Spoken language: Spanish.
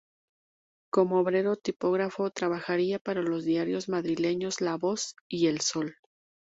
Como obrero tipógrafo trabajaría para los diarios madrileños "La Voz" y "El Sol".